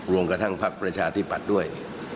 รวมกระทั่งพักประชาธิปัตย์ด้วย